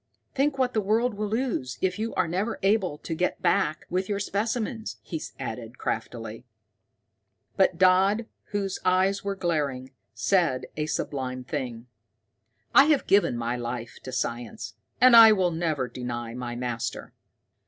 Think what the world will lose, if you are never able to go back with your specimens," he added craftily. But Dodd, whose eyes were glaring, said a sublime thing: "I have given my life to science, and I will never deny my master!"